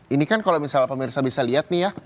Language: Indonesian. ini kan kalau misalnya pemirsa bisa lihat nih ya